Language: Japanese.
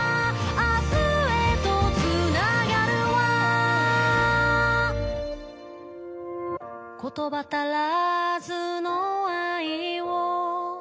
「明日へと繋がる輪」「言葉足らずの愛を」